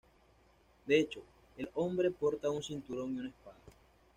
De hecho, el hombre porta un cinturón y una espada.